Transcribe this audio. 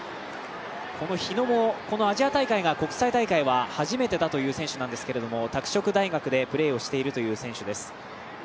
この日野もアジア大会は国際大会が初めてということですが拓殖大学でプレーをしているという選手です。